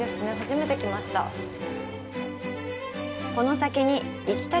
初めて来ました。